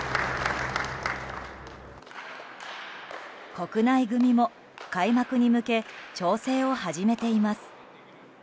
国内組も開幕に向け調整を始めています。